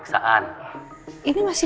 aku akan gunakan waktu ini